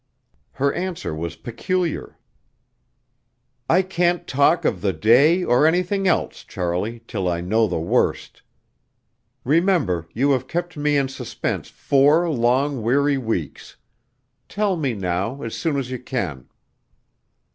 Her answer was peculiar. "I can't talk of the day or anything else, Charlie, till I know the worst. Remember, you have kept me in suspense four long, weary weeks. Tell me now as soon as you can."